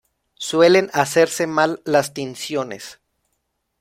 Suelen hacerse mal las tinciones.